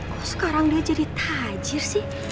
kok sekarang dia jadi tajir sih